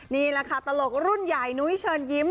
นี่แหละค่ะตลกรุ่นใหญ่นุ้ยเชิญยิ้ม